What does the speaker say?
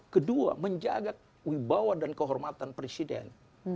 kedua menjaga wibawa dan kehormatan presiden